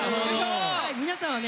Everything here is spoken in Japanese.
皆さんはね